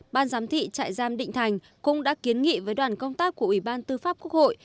ban giám thị trại giam định thành cũng đã kiến nghị với đoàn công tác của ủy ban tư pháp quốc hội